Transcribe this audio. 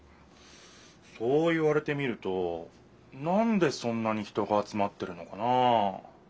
そう言われてみるとなんでそんなに人が集まってるのかなあ。